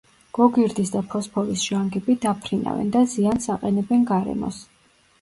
გოგირდის და ფოსფორის ჟანგები დაფრინავენ და ზიანს აყენებენ გარემოს.